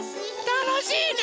たのしいね！